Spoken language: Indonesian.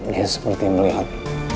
dia seperti melihat